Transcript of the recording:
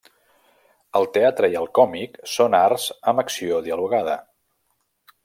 El teatre i el còmic són arts amb acció dialogada.